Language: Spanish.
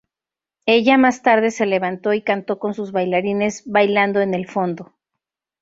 Ella más tarde se levantó y cantó con sus bailarines bailando en el fondo.